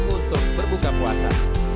untuk berbuka puasa